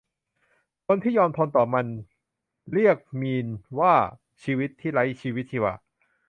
รักไม่สำคัญเท่าความเข้าใจ